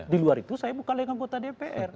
di luar itu saya buka lekan kota dpr